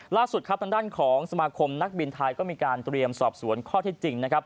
ล่าสุดทางด้านของสมาคมนักบินไทยก็มีการเตรียมสอบสวนข้อที่จริง